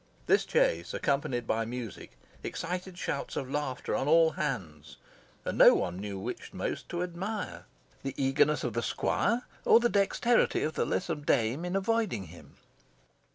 This chase, accompanied by music, excited shouts of laughter on all hands, and no one knew which most to admire, the eagerness of the squire, or the dexterity of the lissom dame in avoiding him.